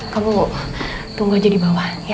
kamu tunggu aja di bawah